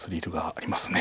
ありますね。